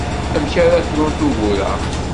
Amek ara frunt ugur-a?